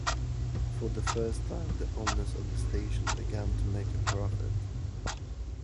For the first time, the owners of the station began to make a profit.